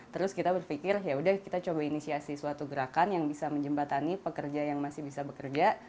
terus kita berpikir yaudah kita coba inisiasi suatu gerakan yang bisa menjembatani pekerja yang masih bisa bekerja